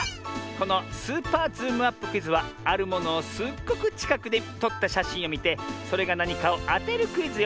この「スーパーズームアップクイズ」はあるものをすっごくちかくでとったしゃしんをみてそれがなにかをあてるクイズよ。